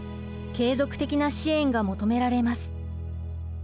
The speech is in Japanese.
継続的な支援が求められます。